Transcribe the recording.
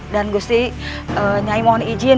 dan gusti nyai mohon izin